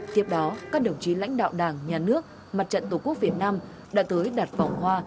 tiếp đó các đồng chí lãnh đạo đảng nhà nước mặt trận tổ quốc việt nam đã tới đặt vòng hoa